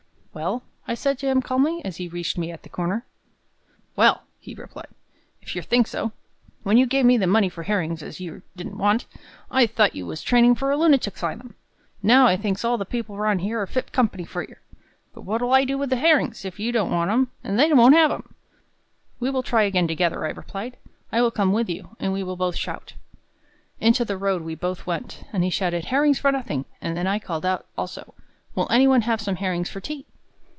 "Well?" I said to him calmly, as he reached me at the corner. "Well!" he replied, "if yer think so! When you gave me the money for herrings as yer didn't want, I thought you was training for a lunatic 'sylum. Now I thinks all the people round here are fit company for yer. But what'll I do with the herrings, if yer don't want 'em and they won't have 'em?" "We will try again together," I replied. "I will come with you, and we will both shout." Into the road we both went; and he shouted, "Herrings for nothing!" and then I called out also, "Will any one have some herrings for tea?"